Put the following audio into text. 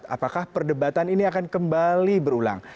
apakah perdebatan ini akan kembali berulang